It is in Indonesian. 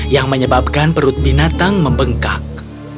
yang menyebabkan perut binatang membengkak